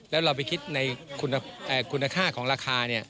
แล้วเราไปคิดในคุณค่าของราคา